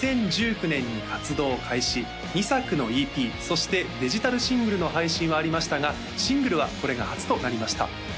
２０１９年に活動開始２作のＥＰそしてデジタルシングルの配信はありましたがシングルはこれが初となりました